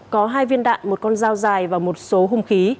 có hai viên đạn một con dao dài và một số hung khí